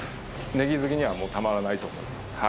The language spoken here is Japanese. ネギ好きにはもうたまらないと思います。